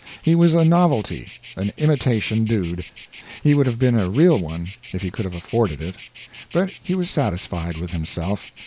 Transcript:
He was a novelty an imitation dude. He would have been a real one if he could have afforded it. But he was satisfied with himself.